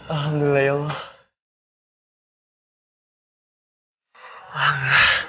alhamdulillah ya allah